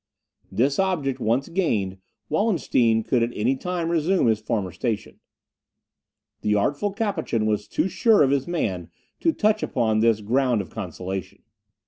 This object once gained, Wallenstein could at any time resume his former station." The artful Capuchin was too sure of his man to touch upon this ground of consolation.